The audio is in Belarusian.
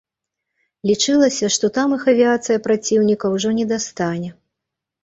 Лічылася, што там іх авіяцыя праціўніка ўжо не дастане.